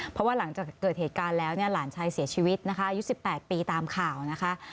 เพราะว่าหลังจากเกิดเหตุการณ์แล้วเนี่ยหลานชายเสียชีวิตนะคะอายุ๑๘ปีตามข่าวนะคะ